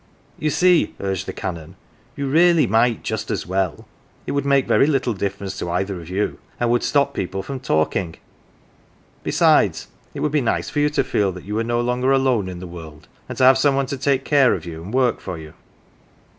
"You see," urged the Canon, "you really might just .as well. It would make very little difference to either of you, and would stop people from talking. Besides, it would be nice for you to feel you were no longer alone in the world, and to have some one to take care of you, and work for you."